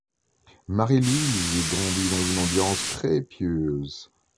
Marie Louise grandit dans une ambiance très pieuse.